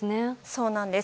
そうなんです。